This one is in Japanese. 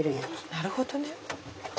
なるほどね。